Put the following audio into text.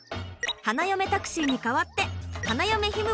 花嫁タクシーに代わって花嫁ひむ